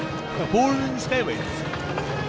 ボールに使えばいいんですよ。